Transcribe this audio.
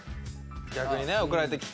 逆にね送られてきて。